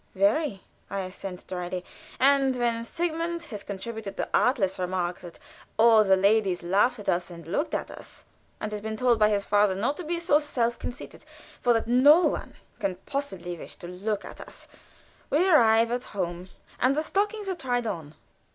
"Very," I assent, dryly, and when Sigmund has contributed the artless remark that all the ladies laughed at us and looked at us, and has been told by his father not to be so self conceited, for that no one can possibly wish to look at us, we arrive at home, and the stockings are tried on.